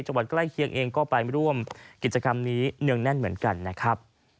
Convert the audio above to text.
ใกล้เคียงเองก็ไปร่วมกิจกรรมนี้เนืองแน่นเหมือนกันนะครับ